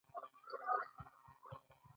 ښه چلند کول هم د مدیر مهارت دی.